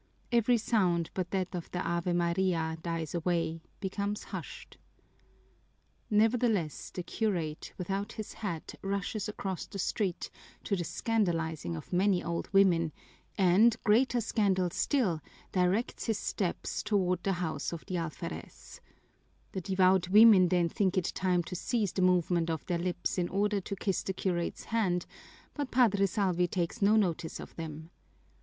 Every sound but that of the Ave Maria dies away, becomes hushed. Nevertheless, the curate, without his hat, rushes across the street, to the scandalizing of many old women, and, greater scandal still, directs his steps toward the house of the alferez. The devout women then think it time to cease the movement of their lips in order to kiss the curate's hand, but Padre Salvi takes no notice of them.